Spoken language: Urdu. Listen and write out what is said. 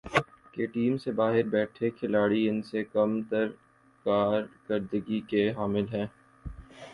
کہ ٹیم سے باہر بیٹھے کھلاڑی ان سے کم تر کارکردگی کے حامل ہیں ۔